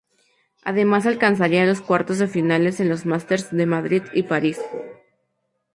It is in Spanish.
Además alcanzaría los cuartos de final en los Masters de Madrid y París.